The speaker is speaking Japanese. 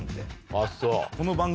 あっそう。